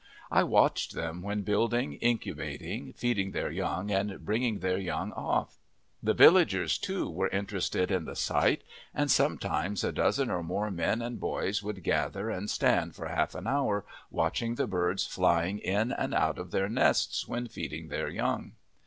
I watched them when building, incubating, feeding their young, and bringing their young off. The villagers, too, were interested in the sight, and sometimes a dozen or more men and boys would gather and stand for half an hour watching the birds flying in and out of their nests when feeding their young.